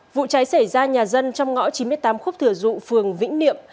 vụ cháy xảy ra nhà dân trong ngõ chín mươi tám khúc thừa dụ phường vĩnh niệm